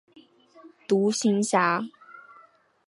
独行侠。